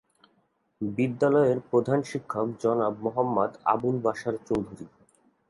বিদ্যালয়ের প্রধান শিক্ষক জনাব মোহাম্মদ আবুল বাশার চৌধুরী।